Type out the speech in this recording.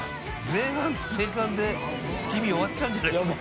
前半で月見終わっちゃうんじゃないですか？